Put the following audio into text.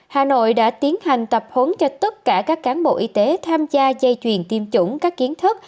hà nội đã tiến hành tập huấn cho tất cả các cán bộ y tế tham gia dây chuyền tiêm chủng các kiến thức